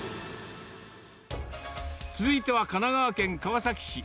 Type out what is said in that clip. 続いては、神奈川県川崎市。